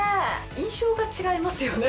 印象が違いますよね。